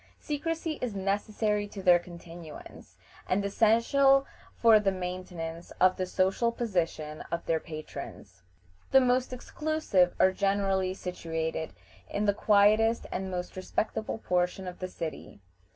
Secrecy is necessary to their continuance, and essential for the maintenance of the social position of their patrons. The most exclusive are generally situated in the quietest and most respectable portion of the city.